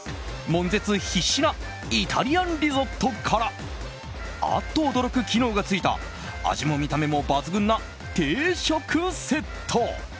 悶絶必至なイタリアンリゾットからあっと驚く機能が付いた味も見た目も抜群な定食セット。